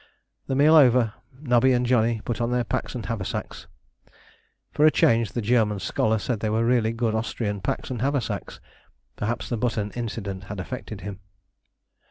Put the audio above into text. The meal over, Nobby and Johnny put on their packs and haversacks. For a change the German scholar said they were really good Austrian packs and haversacks: perhaps the button incident had affected him.